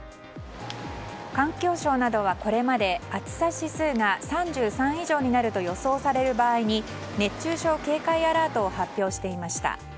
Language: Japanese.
環境省などはこれまで暑さ指数が３３以上になると予想される場合に熱中症警戒アラートを発表していました。